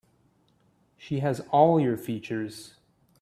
She has all your features.